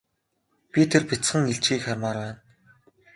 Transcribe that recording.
Бид тэр бяцхан илжгийг хармаар байна.